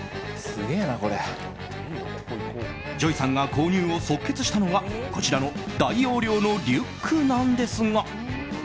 ＪＯＹさんが購入を即決したのがこちらの大容量のリュックなんですが。